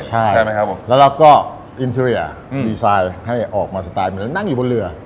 ใช่ไหมครับแล้วก็ออร์แบบนั้นนั่งอยู่บนเรือ